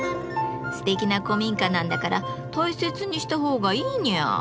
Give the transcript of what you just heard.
すてきな古民家なんだから大切にしたほうがいいニャー。